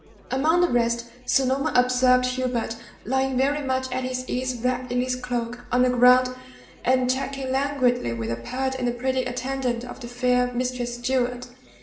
Among the rest Sir Norman observed Hubert, lying very much at his ease wrapped in his cloak, on the ground, and chatting languidly with a pert and pretty attendant of the fair Mistress Stuart.